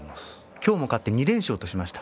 今日も勝って２連勝としました。